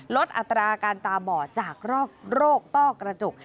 อัตราการตาบอดจากโรคต้อกระจก